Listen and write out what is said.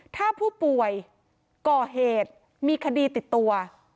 ถ้าผู้ป่วยก่อเหตุมีคดีติดตัว